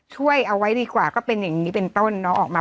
ช่วยเอาไว้ดีกว่าก็เป็นอย่างนี้เป็นต้นเนาะออกมา